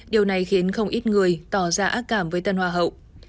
điều này khiến không ít người tỏ ra cảm với tân hoa hậu